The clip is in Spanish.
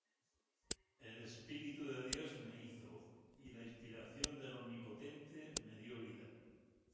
El espíritu de Dios me hizo, Y la inspiración del Omnipotente me dió vida.